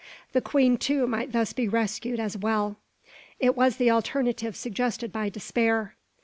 The queen, too, might thus be rescued as well. It was the alternative suggested by despair.